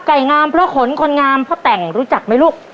งามเพราะขนคนงามพ่อแต่งรู้จักไหมลูก